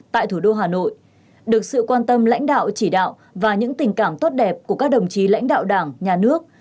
tại thủ đô hà nội được sự quan tâm lãnh đạo chỉ đạo và những tình cảm tốt đẹp của các đồng chí lãnh đạo đảng nhà nước